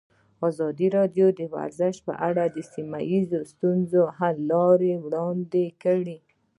ازادي راډیو د ورزش په اړه د سیمه ییزو ستونزو حل لارې راوړاندې کړې.